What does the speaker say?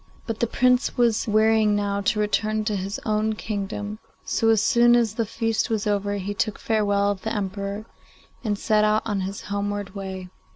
But the Prince was wearying now to return to his own kingdom, so as soon as the feast was over he took farewell of the Emperor, and set out on his homeward way.